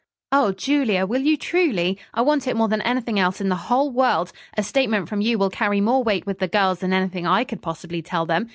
"Oh, Julia, will you truly? I want it more than anything else in the whole world. A statement from you will carry more weight with the girls than anything I could possibly tell them.